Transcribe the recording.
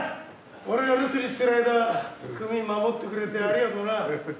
俺が留守にしてる間組守ってくれてありがとな。